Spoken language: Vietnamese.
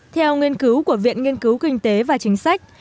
theo nghiên cứu của viện nghiên cứu kinh tế và chính sách